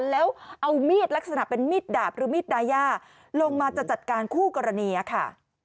แล้วเอามีดลักษณะเป็นมีดดาบหรือมีดดายาลงมาจะจัดการคู่กรณีค่ะ